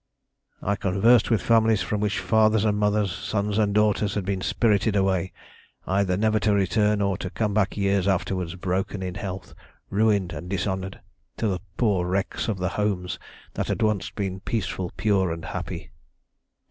"I conversed with families from which fathers and mothers, sons and daughters had been spirited away, either never to return, or to come back years afterwards broken in health, ruined and dishonoured, to the poor wrecks of the homes that had once been peaceful, pure, and happy.